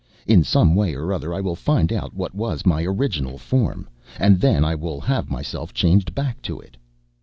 In some way or other I will find out what was my original form, and then I will have myself changed back to it."